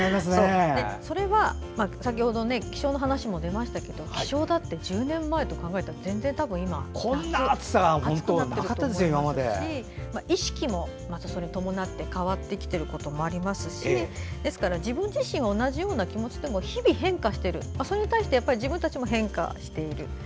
それは、先ほど気象の話も出ましたけど気象だって１０年前と考えたら全然今、暑くなってますし意識もそれに伴って変わってきていることがありますしですから、自分自身は同じようなつもりでも日々変化している、それに対して自分たちも変化している。